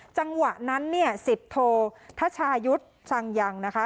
จังหวะนั้นเนี่ยสิบโททชายุทธ์ชังยังนะคะ